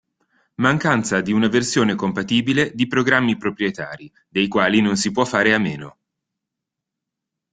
Mancanza di una versione compatibile di programmi proprietari dei quali non si può fare a meno.